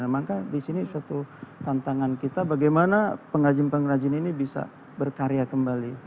maka di sini suatu tantangan kita bagaimana pengrajin pengrajin ini bisa berkarya kembali